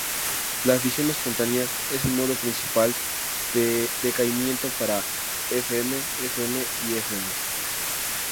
La fisión espontánea es el modo principal de decaimiento para Fm, Fm y Fm.